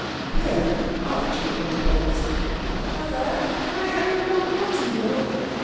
Here Archie interposed. 'Mother, can I have your long buttonhook?'